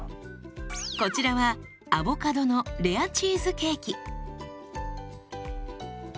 こちらはアボカドのレアチーズケーキ。